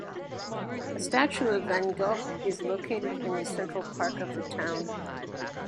A statue of Van Gogh is located in the central park of the town.